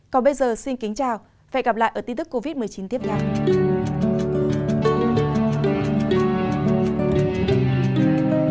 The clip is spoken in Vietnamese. còn bây giờ xin kính chào và hẹn gặp lại ở tin tức covid một mươi chín tiếp theo